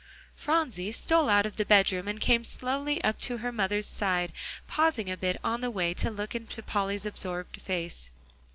Phronsie stole out of the bedroom, and came slowly up to her mother's side, pausing a bit on the way to look into Polly's absorbed face.